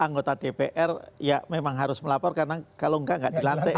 anggota dpr ya memang harus melapor karena kalau enggak enggak dilantik